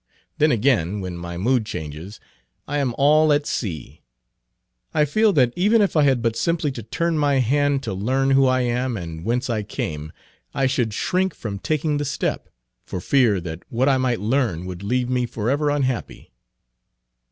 Then again when my mood changes, I am all at sea I feel that even if I had but simply to turn my hand to learn who I am and whence I came, I should shrink from taking the step, for fear that what I might learn would leave me forever unhappy."